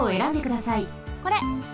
これ。